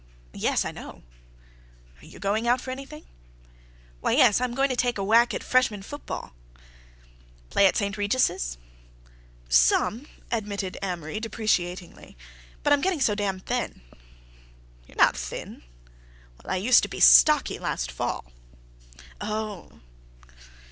"Yes, I know." "You going out for anything?" "Why—yes. I'm going to take a whack at freshman football." "Play at St. Regis's?" "Some," admitted Amory depreciatingly, "but I'm getting so damned thin." "You're not thin." "Well, I used to be stocky last fall." "Oh!"